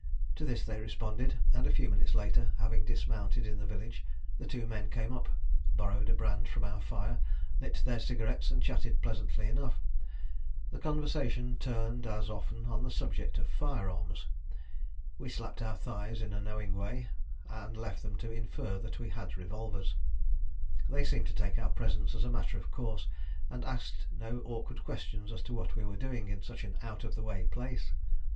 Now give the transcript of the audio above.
To this they responded, and a few minutes later, having dismounted in the village, the two men came up, borrowed a brand from our fire, lit their cigarettes, and chatted pleasantly enough. The conversation turned, as often, on the subject of firearms. We slapped our thighs in a knowing way, and left them to infer that we had revolvers. They seemed to take our presence as a matter of course, and asked no awkward questions as to what we were doing in such an out of the way place.